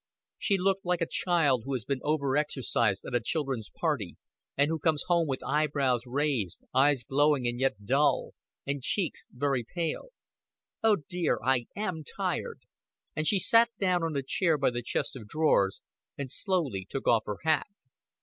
She looked like a child who has been overexercised at a children's party, and who comes home with eyebrows raised, eyes glowing and yet dull, and cheeks very pale. "Oh, dear, I am tired," and she sat down on a chair by the chest of drawers, and slowly took off her hat.